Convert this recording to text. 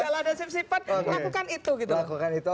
kalau ada sip sipan lakukan itu